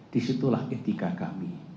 disitulah etika kami